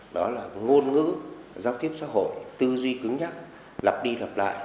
đó là ngôn ngữ giao tiếp xã hội tư duy cứng nhắc lặp đi lặp lại